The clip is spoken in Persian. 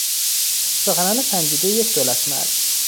سخنان سنجیدهی یک دولتمرد